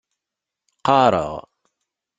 Qqaṛeɣ.